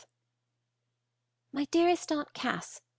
[MY DEAREST AUNT CASS.